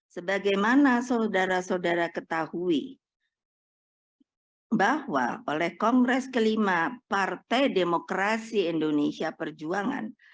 sebagaimana saudara saudara ketahui bahwa oleh kongres kelima partai demokrasi indonesia perjuangan